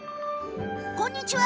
こんにちは。